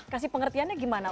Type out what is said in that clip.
kasih pengertiannya gimana